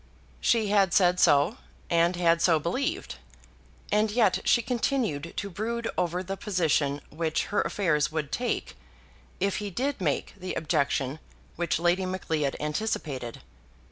She had said so, and had so believed; and yet she continued to brood over the position which her affairs would take, if he did make the objection which Lady Macleod anticipated.